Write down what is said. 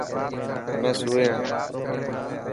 همي سوئي رهه.